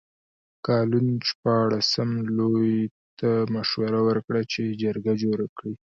کالون شپاړسم لویي ته مشوره ورکړه چې جرګه جوړه کړي.